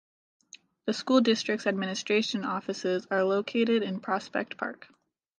The school district's administration offices are located in Prospect Park.